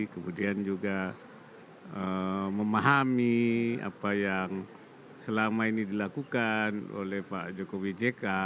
kemudian juga memahami apa yang selama ini dilakukan oleh pak jokowi jk